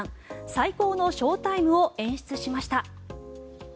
最高のショウタイムを演出しました。